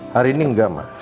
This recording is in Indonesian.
hari ini enggak mak